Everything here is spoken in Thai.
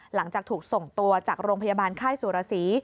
หลังจากถูกส่งตัวจากโรงพยาบาลค่ายสุรสี